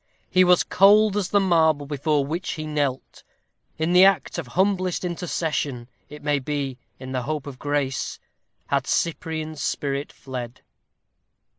He was cold as the marble before which he knelt. In the act of humblest intercession it may be, in the hope of grace had Cyprian's spirit fled.